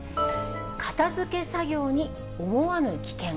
片づけ作業に思わぬ危険。